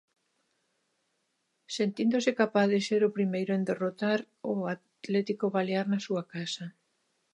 Sentíndose capaz de ser o primeiro en derrotar ao Atlético Baleares na súa casa.